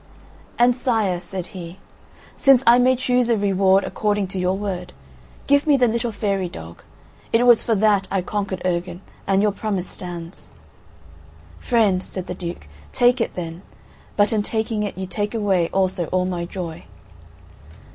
And "Sire," said he, "since I may choose a reward according to your word, give me the little fairy dog. It was for that I conquered Urgan, and your promise stands." "Friend," said the Duke, "take it, then, but in taking it you take away also all my joy."